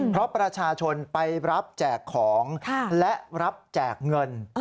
เพราะประชาชนไปรับแจกของและรับแจกเงิน